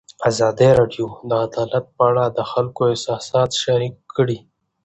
ازادي راډیو د عدالت په اړه د خلکو احساسات شریک کړي.